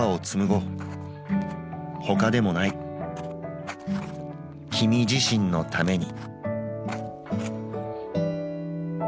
ほかでもないきみ自身のために。